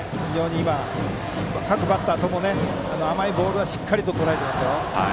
今、各バッターとも甘いボールはしっかりとらえています。